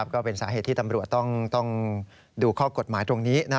ก็เป็นสาเหตุที่ตำรวจต้องดูข้อกฎหมายตรงนี้